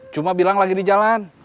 cuma bilang lagi di jalan